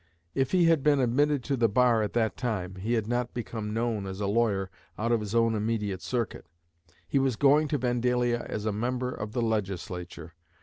If he had been admitted to the bar at that time, he had not become known as a lawyer out of his own immediate circuit. He was going to Vandalia as a member of the Legislature.